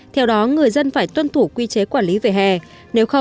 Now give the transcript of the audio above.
theo đó người dân phải tuân thủ quy chế quản lý về hè